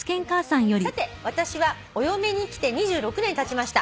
さて私はお嫁に来て２６年たちました。